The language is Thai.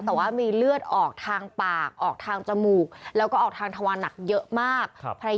แต่ว่ามีเลือดออกทางปากออกทางจมูก